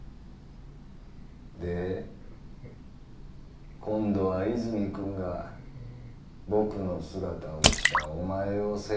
で今度は泉くんが僕の姿をしたお前を背負うわけか。